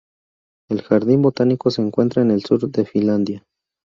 El jardín botánico se encuentra en el sur de Finlandia.